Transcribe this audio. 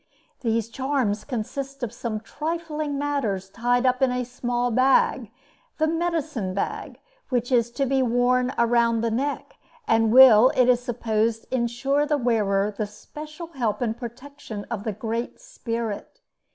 These charms consist of some trifling matters tied up in a small bag, the "medicine bag," which is to be worn round the neck, and will, it is supposed, insure the wearer the special help and protection of the Great Spirit.